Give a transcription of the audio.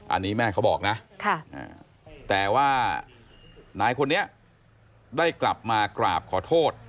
อันนี้แม่เขาบอกนะแต่ว่านายคนนี้ได้กลับมากราบขอโทษ